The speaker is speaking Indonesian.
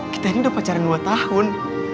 kita ini udah pacaran dua tahun